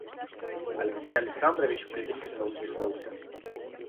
Алексей Александрович презрительно усмехнулся.